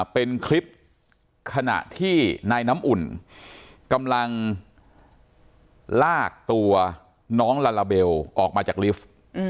เป็นคลิปขณะที่นายน้ำอุ่นกำลังลากตัวน้องลาลาเบลออกมาจากลิฟท์